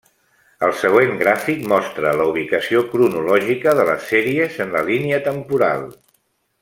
El següent gràfic mostra la ubicació cronològica de les sèries en la línia temporal.